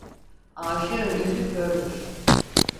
Aşığın gözü kördür.